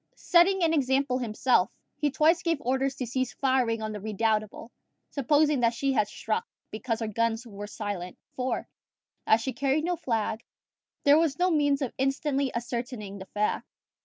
Setting an example himself, he twice gave orders to cease firing on the Redoubtable, supposing that she had struck, because her guns were silent; for, as she carried no flag, there was no means of instantly ascertaining the fact.